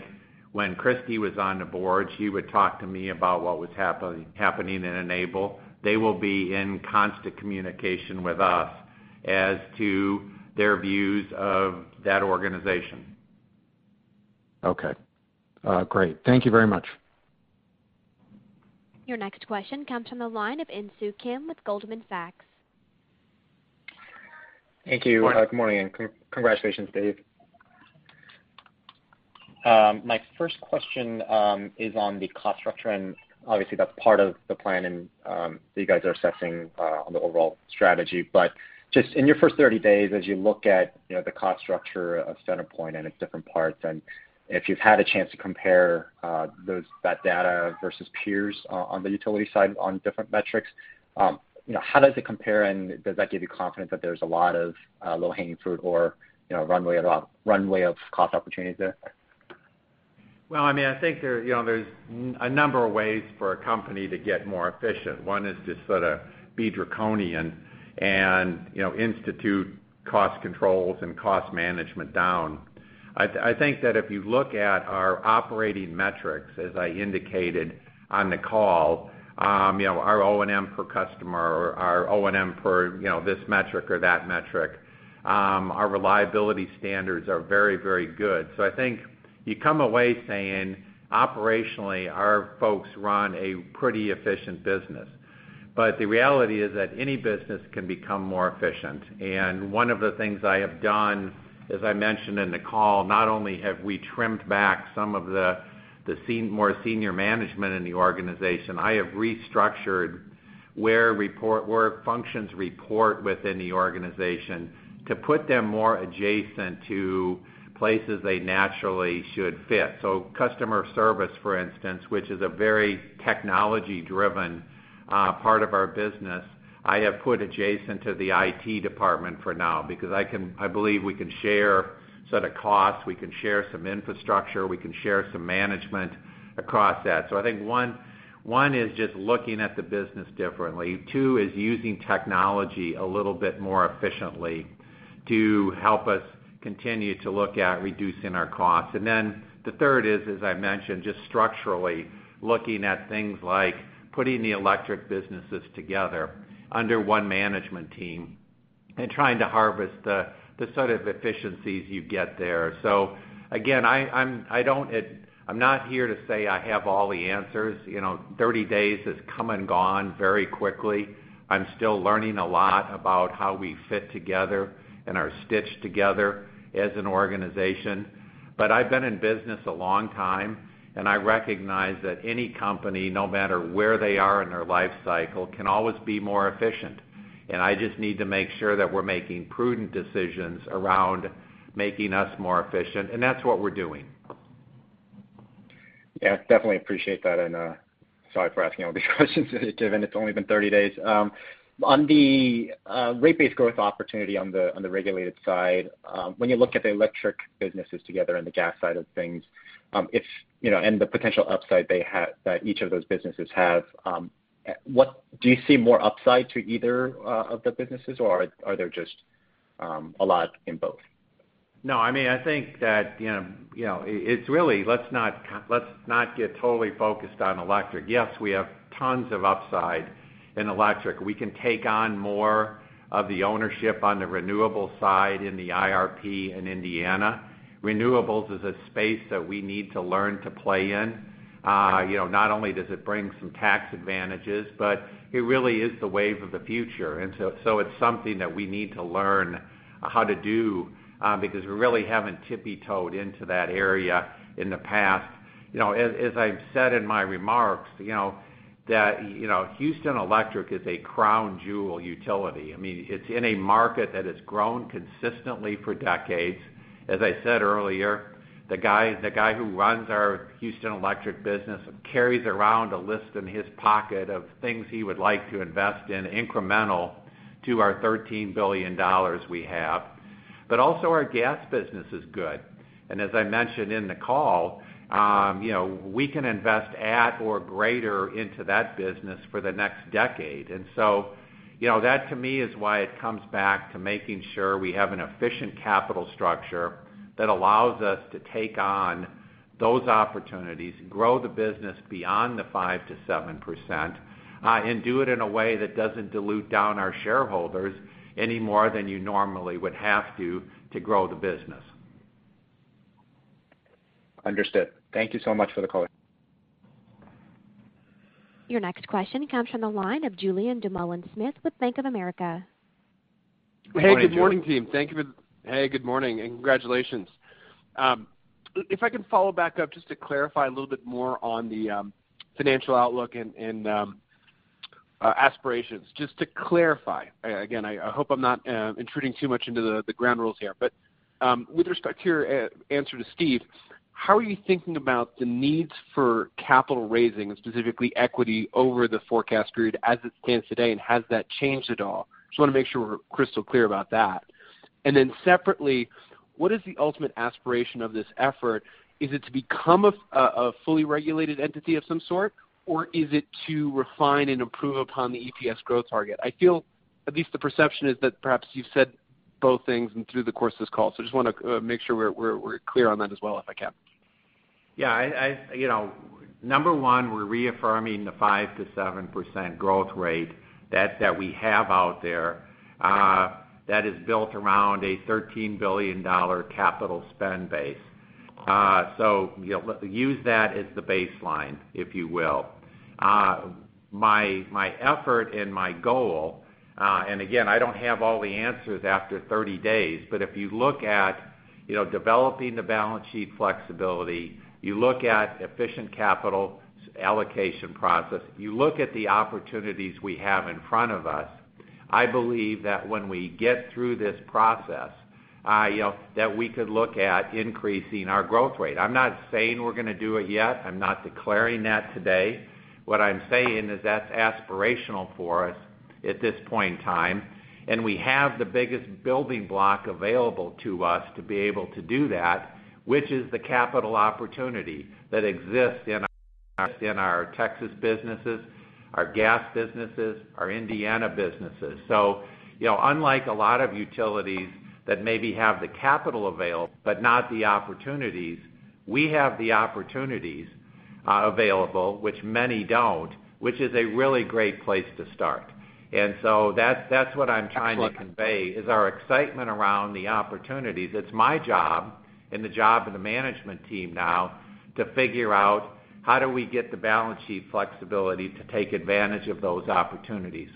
when Kristie was on the board, she would talk to me about what was happening in Enable. They will be in constant communication with us as to their views of that organization. Okay. Great. Thank you very much. Your next question comes from the line of Insoo Kim with Goldman Sachs. Thank you. Morning. Good morning, congratulations, Dave. My first question is on the cost structure, and obviously, that's part of the plan, and you guys are assessing on the overall strategy. Just in your first 30 days, as you look at the cost structure of CenterPoint and its different parts, and if you've had a chance to compare that data versus peers on the utility side on different metrics, how does it compare? Does that give you confidence that there's a lot of low-hanging fruit or runway of cost opportunities there? Well, I think there's a number of ways for a company to get more efficient. One is to sort of be draconian and institute cost controls and cost management down. I think that if you look at our operating metrics, as I indicated on the call, our O&M per customer or our O&M per this metric or that metric, our reliability standards are very good. I think you come away saying, operationally, our folks run a pretty efficient business. The reality is that any business can become more efficient. One of the things I have done, as I mentioned in the call, not only have we trimmed back some of the more senior management in the organization, I have restructured where functions report within the organization to put them more adjacent to places they naturally should fit. Customer service, for instance, which is a very technology-driven part of our business, I have put adjacent to the IT department for now because I believe we can share costs. We can share some infrastructure. We can share some management across that. I think one is just looking at the business differently. Two is using technology a little bit more efficiently to help us continue to look at reducing our costs. The third is, as I mentioned, just structurally looking at things like putting the electric businesses together under one management team and trying to harvest the sort of efficiencies you get there. Again, I'm not here to say I have all the answers. 30 days has come and gone very quickly. I'm still learning a lot about how we fit together and are stitched together as an organization. I've been in business a long time, and I recognize that any company, no matter where they are in their life cycle, can always be more efficient. I just need to make sure that we're making prudent decisions around making us more efficient, and that's what we're doing. Yeah, definitely appreciate that. Sorry for asking all these questions, given it's only been 30 days. On the rate-based growth opportunity on the regulated side, when you look at the electric businesses together and the gas side of things, and the potential upside that each of those businesses have, do you see more upside to either of the businesses, or are there just a lot in both? No, I think that it's really, let's not get totally focused on electric. Yes, we have tons of upside in electric. We can take on more of the ownership on the renewable side in the IRP in Indiana. Renewables is a space that we need to learn to play in. Not only does it bring some tax advantages, but it really is the wave of the future. It's something that we need to learn how to do, because we really haven't tippy-toed into that area in the past. As I've said in my remarks, that Houston Electric is a crown jewel utility. It's in a market that has grown consistently for decades. As I said earlier, the guy who runs our Houston Electric business carries around a list in his pocket of things he would like to invest in incremental to our $13 billion we have. Also our gas business is good. As I mentioned in the call, we can invest at or greater into that business for the next decade. That to me is why it comes back to making sure we have an efficient capital structure that allows us to take on those opportunities, grow the business beyond the 5%-7%, and do it in a way that doesn't dilute down our shareholders any more than you normally would have to grow the business. Understood. Thank you so much for the call. Your next question comes from the line of Julien Dumoulin-Smith with Bank of America. Hey, good morning team. Morning, Julien. Hey, good morning, and congratulations. If I can follow back up just to clarify a little bit more on the financial outlook and aspirations. Just to clarify, again, I hope I'm not intruding too much into the ground rules here, but with respect to your answer to Steve, how are you thinking about the needs for capital raising, specifically equity, over the forecast period as it stands today? Has that changed at all? I just want to make sure we're crystal clear about that. Separately, what is the ultimate aspiration of this effort? Is it to become a fully regulated entity of some sort, or is it to refine and improve upon the EPS growth target? I feel at least the perception is that perhaps you've said both things and through the course of this call. Just want to make sure we're clear on that as well, if I can. Number 1, we're reaffirming the 5%-7% growth rate that we have out there. That is built around a $13 billion capital spend base. Use that as the baseline, if you will. My effort and my goal, and again, I don't have all the answers after 30 days, if you look at developing the balance sheet flexibility, you look at efficient capital allocation process, you look at the opportunities we have in front of us, I believe that when we get through this process, that we could look at increasing our growth rate. I'm not saying we're going to do it yet. I'm not declaring that today. What I'm saying is that's aspirational for us at this point in time, and we have the biggest building block available to us to be able to do that, which is the capital opportunity that exists in our Texas businesses, our gas businesses, our Indiana businesses. Unlike a lot of utilities that maybe have the capital available, but not the opportunities, we have the opportunities available, which many don't, which is a really great place to start. That's what I'm trying to convey. Excellent is our excitement around the opportunities. It's my job and the job of the management team now to figure out how do we get the balance sheet flexibility to take advantage of those opportunities.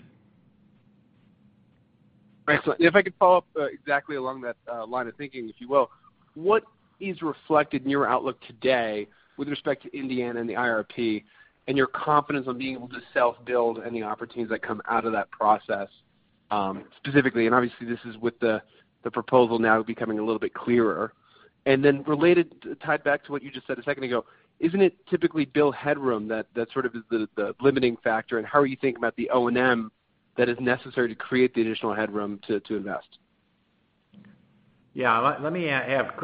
Excellent. If I could follow up exactly along that line of thinking, if you will. What is reflected in your outlook today with respect to Indiana and the IRP and your confidence on being able to self-build and the opportunities that come out of that process, specifically, obviously this is with the proposal now becoming a little bit clearer. Related, tied back to what you just said a second ago, isn't it typically bill headroom that sort of is the limiting factor, and how are you thinking about the O&M that is necessary to create the additional headroom to invest? Yeah, let me have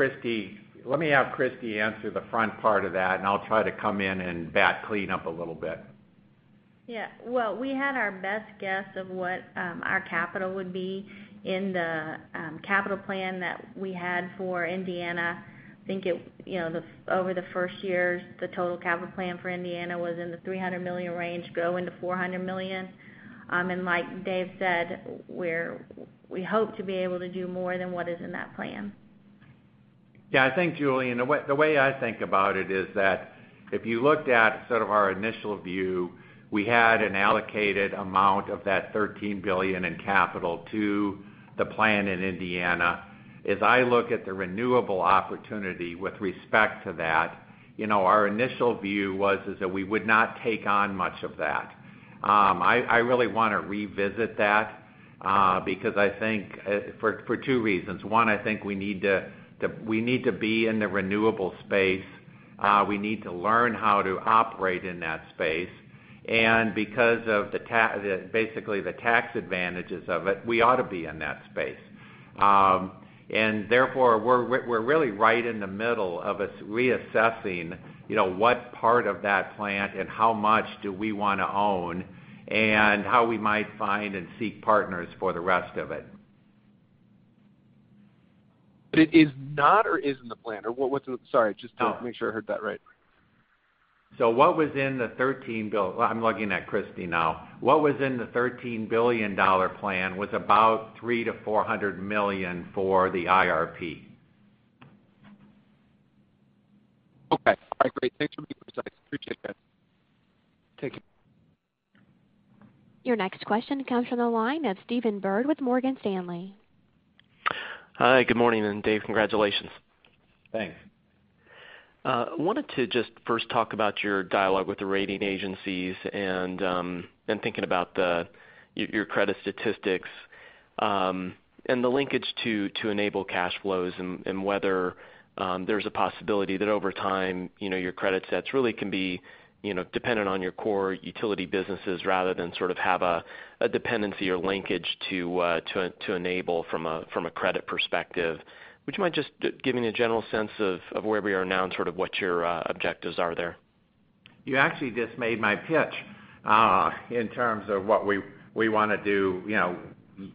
Kristie answer the front part of that. I'll try to come in and clean up a little bit. Yeah. Well, we had our best guess of what our capital would be in the capital plan that we had for Indiana. I think over the first years, the total capital plan for Indiana was in the $300 million range, growing to $400 million. Like Dave said, we hope to be able to do more than what is in that plan. Yeah, I think, Julien, the way I think about it is that if you looked at sort of our initial view, we had an allocated amount of that $13 billion in capital to the plan in Indiana. As I look at the renewable opportunity with respect to that, our initial view was is that we would not take on much of that. I really want to revisit that because I think for two reasons. One, I think we need to be in the renewable space. We need to learn how to operate in that space. Because of basically the tax advantages of it, we ought to be in that space. Therefore, we're really right in the middle of us reassessing what part of that plant and how much do we want to own and how we might find and seek partners for the rest of it. It is not or is in the plan, or what's the Sorry, just to make sure I heard that right? I'm looking at Kristie now. What was in the $13 billion plan was about $300 million-$400 million for the IRP. Okay. All right, great. Thanks for being precise. Appreciate that. Take care. Your next question comes from the line of Stephen Byrd with Morgan Stanley. Hi, good morning, and Dave, congratulations. Thanks. I wanted to just first talk about your dialogue with the rating agencies and thinking about your credit statistics, and the linkage to Enable cash flows and whether there's a possibility that over time, your credit sets really can be dependent on your core utility businesses rather than sort of have a dependency or linkage to Enable from a credit perspective. Would you mind just giving a general sense of where we are now and sort of what your objectives are there? You actually just made my pitch in terms of what we want to do.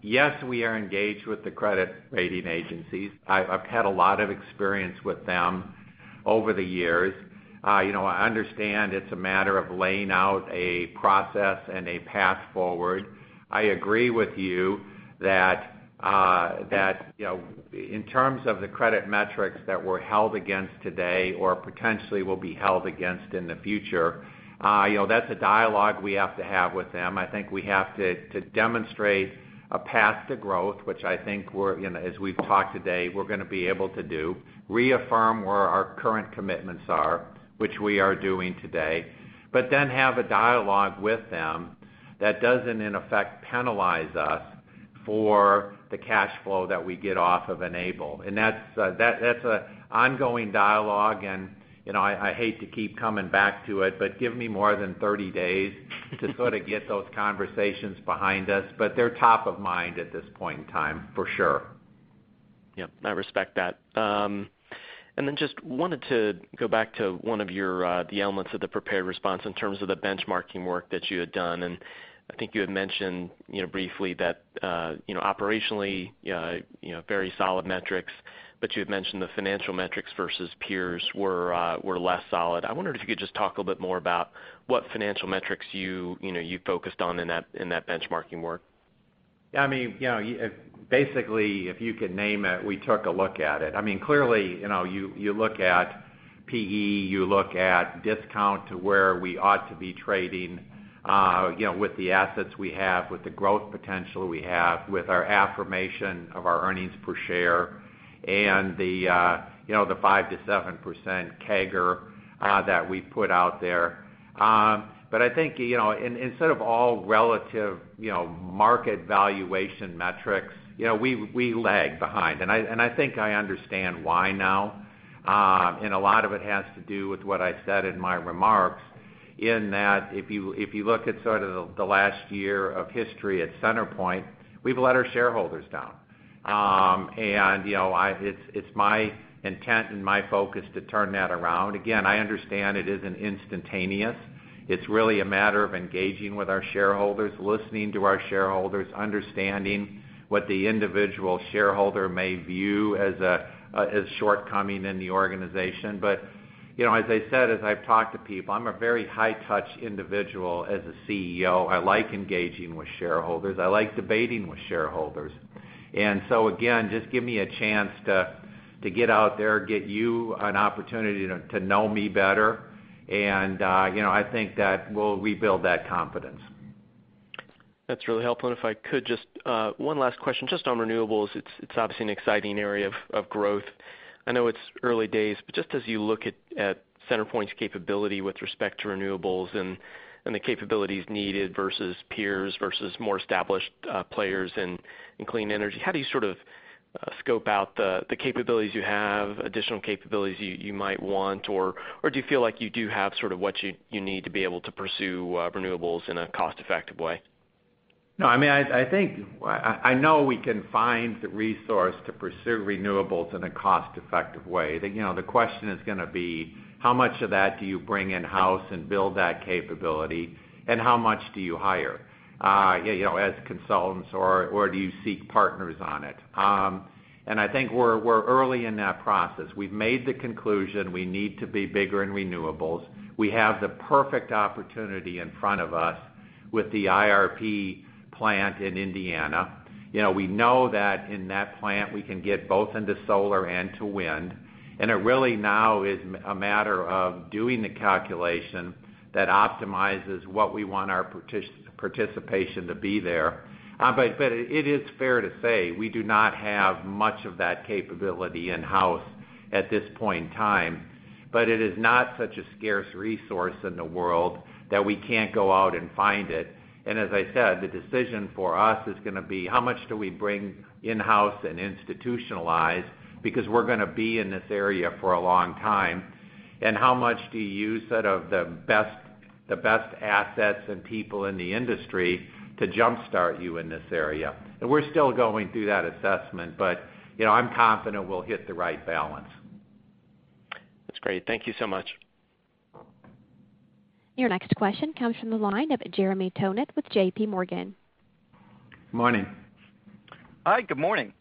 Yes, we are engaged with the credit rating agencies. I've had a lot of experience with them over the years. I understand it's a matter of laying out a process and a path forward. I agree with you that in terms of the credit metrics that we're held against today, or potentially will be held against in the future, that's a dialogue we have to have with them. I think we have to demonstrate a path to growth, which I think as we've talked today, we're going to be able to do. Reaffirm where our current commitments are, which we are doing today, but then have a dialogue with them that doesn't in effect penalize us for the cash flow that we get off of Enable. That's a ongoing dialogue and I hate to keep coming back to it, but give me more than 30 days to sort of get those conversations behind us, but they're top of mind at this point in time, for sure. Yep. I respect that. Just wanted to go back to one of your the elements of the prepared response in terms of the benchmarking work that you had done, and I think you had mentioned briefly that operationally very solid metrics, but you had mentioned the financial metrics versus peers were less solid. I wondered if you could just talk a little bit more about what financial metrics you focused on in that benchmarking work. Yeah. Basically, if you could name it, we took a look at it. Clearly, you look at PE, you look at discount to where we ought to be trading, with the assets we have, with the growth potential we have, with our affirmation of our earnings per share and the 5%-7% CAGR that we put out there. I think, instead of all relative market valuation metrics, we lag behind. I think I understand why now. A lot of it has to do with what I said in my remarks in that if you look at sort of the last year of history at CenterPoint, we've let our shareholders down. It's my intent and my focus to turn that around. Again, I understand it isn't instantaneous. It's really a matter of engaging with our shareholders, listening to our shareholders, understanding what the individual shareholder may view as shortcoming in the organization. As I said, as I've talked to people, I'm a very high touch individual as a CEO. I like engaging with shareholders. I like debating with shareholders. Again, just give me a chance to get out there, get you an opportunity to know me better, and I think that we'll rebuild that confidence. That's really helpful. If I could just, one last question, just on renewables? It's obviously an exciting area of growth. I know it's early days, just as you look at CenterPoint's capability with respect to renewables and the capabilities needed versus peers, versus more established players in clean energy, how do you sort of scope out the capabilities you have, additional capabilities you might want, or do you feel like you do have sort of what you need to be able to pursue renewables in a cost-effective way? No, I think, I know we can find the resource to pursue renewables in a cost-effective way. The question is going to be how much of that do you bring in-house and build that capability, and how much do you hire, as consultants or do you seek partners on it? I think we're early in that process. We've made the conclusion we need to be bigger in renewables. We have the perfect opportunity in front of us with the IRP plant in Indiana. We know that in that plant, we can get both into solar and to wind. It really now is a matter of doing the calculation that optimizes what we want our participation to be there. It is fair to say we do not have much of that capability in-house at this point in time. It is not such a scarce resource in the world that we can't go out and find it. As I said, the decision for us is going to be how much do we bring in-house and institutionalize, because we're going to be in this area for a long time, and how much do you use sort of the best assets and people in the industry to jumpstart you in this area. We're still going through that assessment, but I'm confident we'll hit the right balance. That's great. Thank you so much. Your next question comes from the line of Jeremy Tonet with J.P. Morgan. Morning. Hi. Good morning.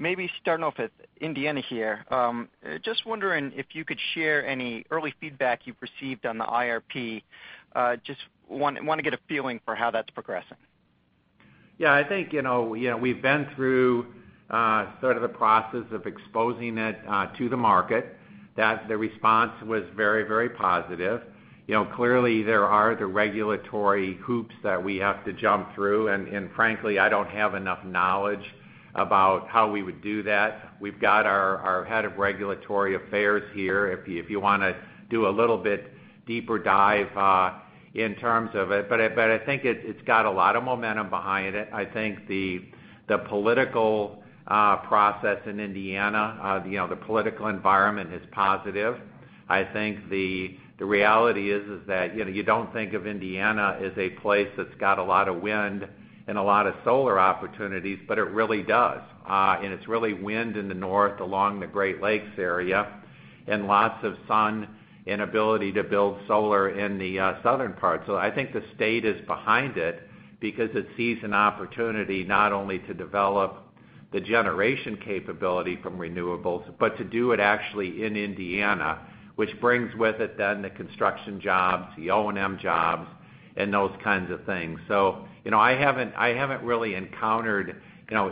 Maybe starting off with Indiana here. Just wondering if you could share any early feedback you've received on the IRP. Just want to get a feeling for how that's progressing. Yeah. I think we've been through sort of the process of exposing it to the market. The response was very positive. Clearly, there are the regulatory hoops that we have to jump through, and frankly, I don't have enough knowledge about how we would do that. We've got our head of regulatory affairs here, if you want to do a little bit deeper dive in terms of it. I think it's got a lot of momentum behind it. I think the political process in Indiana, the political environment is positive. I think the reality is that you don't think of Indiana as a place that's got a lot of wind and a lot of solar opportunities, but it really does. It's really wind in the north along the Great Lakes area, and lots of sun and ability to build solar in the southern part. I think the state is behind it because it sees an opportunity not only to develop the generation capability from renewables, but to do it actually in Indiana, which brings with it then the construction jobs, the O&M jobs, and those kinds of things. I haven't really encountered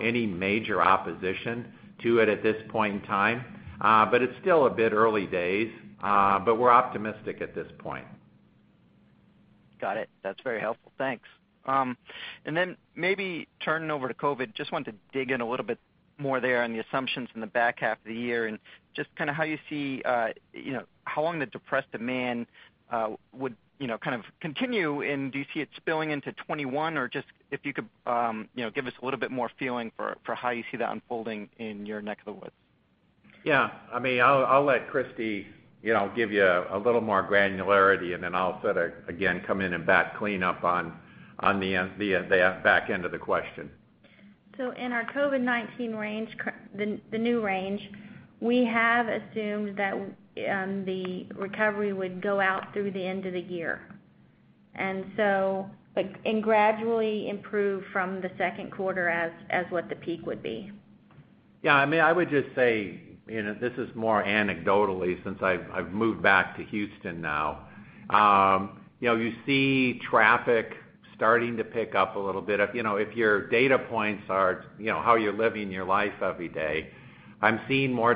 any major opposition to it at this point in time. It's still a bit early days. We're optimistic at this point. Got it. That's very helpful. Thanks. Then maybe turning over to COVID, just wanted to dig in a little bit more there on the assumptions in the back half of the year, and just kind of how you see how long the depressed demand would kind of continue, and do you see it spilling into 2021, or just if you could give us a little bit more feeling for how you see that unfolding in your neck of the woods? Yeah. I'll let Kristie give you a little more granularity, and then I'll sort of, again, come in and clean up on the back end of the question. In our COVID-19 range, the new range, we have assumed that the recovery would go out through the end of the year, and gradually improve from the second quarter as what the peak would be. Yeah, I would just say, this is more anecdotally since I've moved back to Houston now. You see traffic starting to pick up a little bit. If your data points are how you're living your life every day, I'm seeing more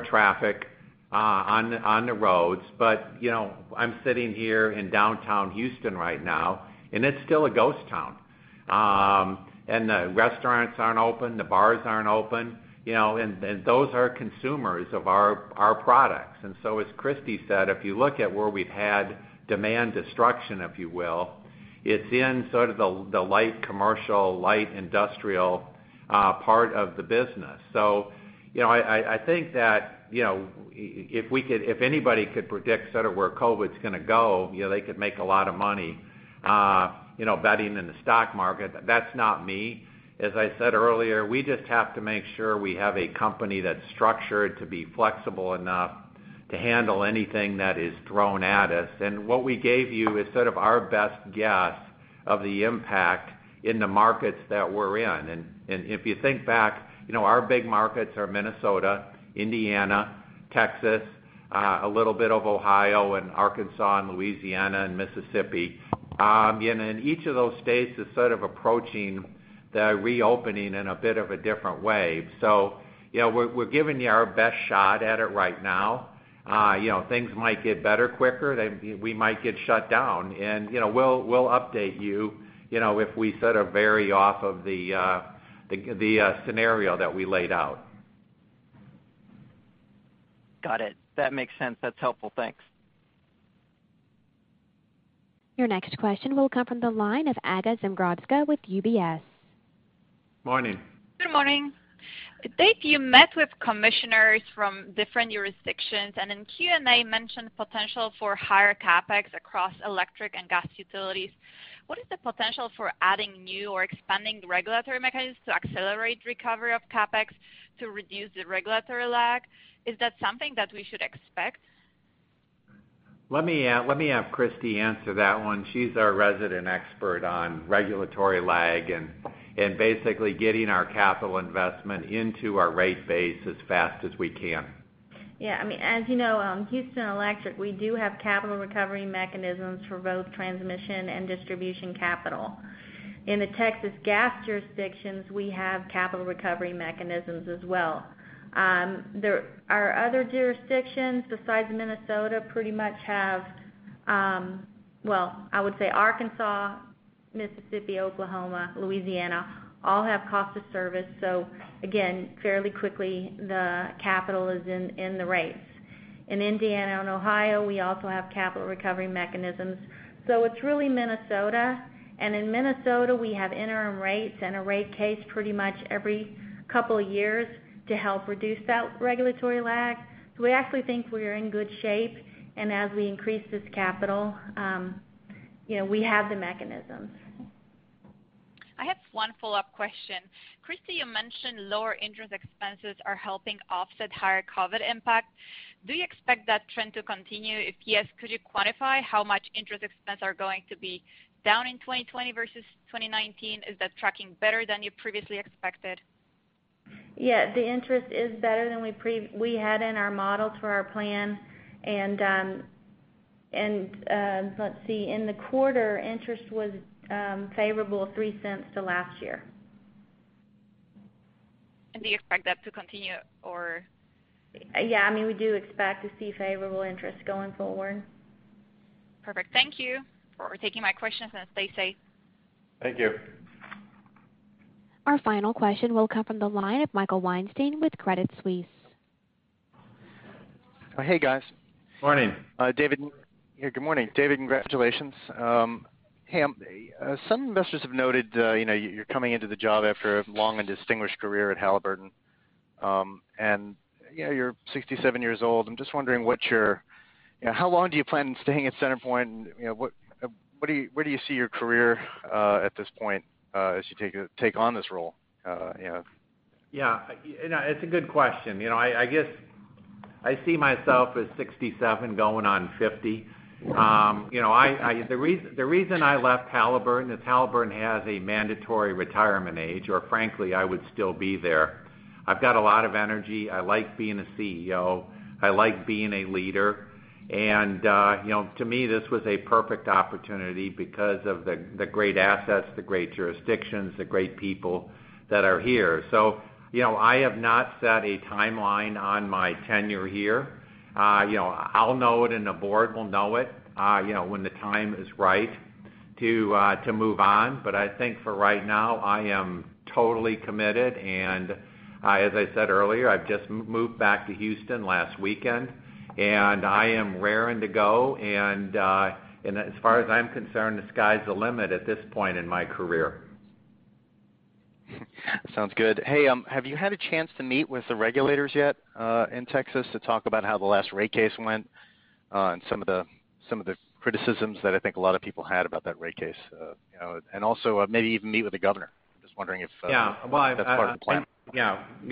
traffic on the roads. I'm sitting here in downtown Houston right now, and it's still a ghost town. The restaurants aren't open, the bars aren't open, and those are consumers of our products. As Kristie said, if you look at where we've had demand destruction, if you will, it's in sort of the light commercial, light industrial part of the business. I think that if anybody could predict sort of where COVID's going to go, they could make a lot of money betting in the stock market. That's not me. As I said earlier, we just have to make sure we have a company that's structured to be flexible enough to handle anything that is thrown at us. What we gave you is sort of our best guess of the impact in the markets that we're in. If you think back, our big markets are Minnesota, Indiana, Texas, a little bit of Ohio, and Arkansas, and Louisiana, and Mississippi. Each of those states is sort of approaching the reopening in a bit of a different way. We're giving you our best shot at it right now. Things might get better quicker, we might get shut down. We'll update you if we sort of vary off of the scenario that we laid out. Got it. That makes sense. That's helpful. Thanks. Your next question will come from the line of Aga Zmigrodzka with UBS. Morning. Good morning. Dave, you met with commissioners from different jurisdictions, and in Q&A, mentioned potential for higher CapEx across electric and gas utilities. What is the potential for adding new or expanding regulatory mechanisms to accelerate recovery of CapEx to reduce the regulatory lag? Is that something that we should expect? Let me have Kristie answer that one. She's our resident expert on regulatory lag and basically getting our capital investment into our rate base as fast as we can. As you know, Houston Electric, we do have capital recovery mechanisms for both transmission and distribution capital. In the Texas Gas jurisdictions, we have capital recovery mechanisms as well. Our other jurisdictions besides Minnesota, I would say Arkansas, Mississippi, Oklahoma, Louisiana, all have cost of service, again, fairly quickly the capital is in the rates. In Indiana and Ohio, we also have capital recovery mechanisms. It's really Minnesota, in Minnesota, we have interim rates and a rate case pretty much every couple of years to help reduce that regulatory lag. We actually think we are in good shape, as we increase this capital, we have the mechanisms. I have one follow-up question. Kristie, you mentioned lower interest expenses are helping offset higher COVID impact. Do you expect that trend to continue? If yes, could you quantify how much interest expense are going to be down in 2020 versus 2019? Is that tracking better than you previously expected? Yeah. The interest is better than we had in our models for our plan. In the quarter, interest was favorable $0.03 to last year. Do you expect that to continue, or? Yeah, we do expect to see favorable interest going forward. Perfect. Thank you for taking my questions. Stay safe. Thank you. Our final question will come from the line of Michael Weinstein with Credit Suisse. Oh, hey, guys. Morning. David. Hey. Good morning. David, congratulations. Some investors have noted you're coming into the job after a long and distinguished career at Halliburton. You're 67 years old. I'm just wondering, how long do you plan on staying at CenterPoint, and where do you see your career at this point as you take on this role? Yeah. It's a good question. I guess I see myself as 67 going on 50. The reason I left Halliburton is Halliburton has a mandatory retirement age, or frankly, I would still be there. I've got a lot of energy. I like being a CEO. I like being a leader. To me, this was a perfect opportunity because of the great assets, the great jurisdictions, the great people that are here. I have not set a timeline on my tenure here. I'll know it, and the board will know it, when the time is right to move on. I think for right now, I am totally committed, and as I said earlier, I've just moved back to Houston last weekend, and I am raring to go, and as far as I'm concerned, the sky's the limit at this point in my career. Sounds good. Hey, have you had a chance to meet with the regulators yet, in Texas to talk about how the last rate case went, and some of the criticisms that I think a lot of people had about that rate case? Also maybe even meet with the governor. Yeah. That's part of the plan.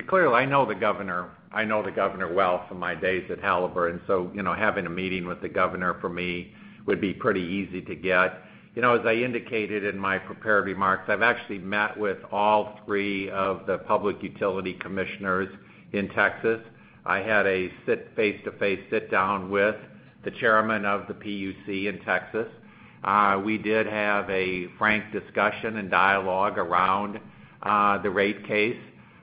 Clearly, I know the governor. I know the governor well from my days at Halliburton. Having a meeting with the governor for me would be pretty easy to get. As I indicated in my prepared remarks, I've actually met with all three of the public utility commissioners in Texas. I had a face-to-face sit down with the Chairman of the PUC in Texas. We did have a frank discussion and dialogue around the rate case,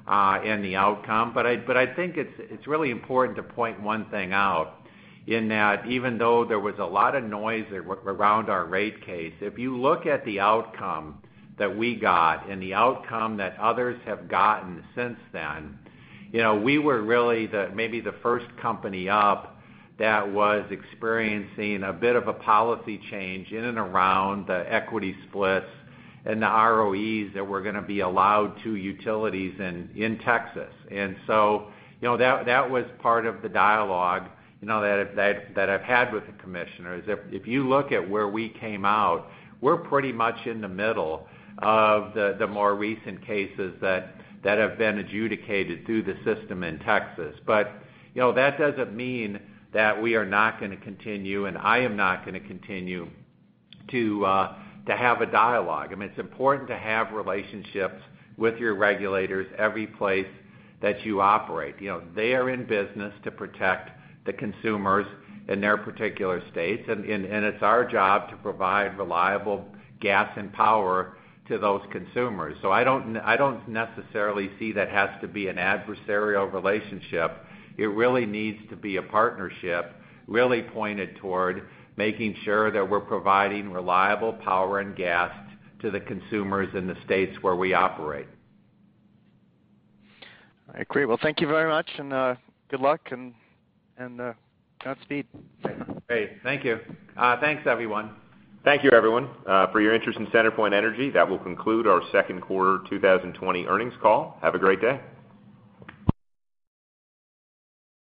and the outcome. I think it's really important to point one thing out, in that even though there was a lot of noise around our rate case, if you look at the outcome that we got and the outcome that others have gotten since then, we were really maybe the first company up that was experiencing a bit of a policy change in and around the equity splits and the ROEs that were going to be allowed to utilities in Texas. That was part of the dialogue that I've had with the commissioners. If you look at where we came out, we're pretty much in the middle of the more recent cases that have been adjudicated through the system in Texas. That doesn't mean that we are not going to continue, and I am not going to continue to have a dialogue. It's important to have relationships with your regulators every place that you operate. They are in business to protect the consumers in their particular states, and it's our job to provide reliable gas and power to those consumers. I don't necessarily see that has to be an adversarial relationship. It really needs to be a partnership really pointed toward making sure that we're providing reliable power and gas to the consumers in the states where we operate. I agree. Well, thank you very much, and good luck, and godspeed. Great. Thank you. Thanks, everyone. Thank you, everyone, for your intere`st in CenterPoint Energy. That will conclude our second quarter 2020 earnings call. Have a great day.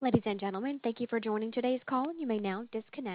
Ladies and gentlemen, thank you for joining today's call. You may now disconnect.